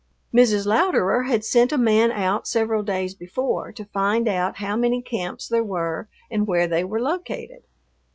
Mrs. Louderer had sent a man out several days before to find out how many camps there were and where they were located.